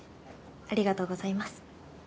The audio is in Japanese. ありがとうございます。